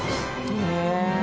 ねえ。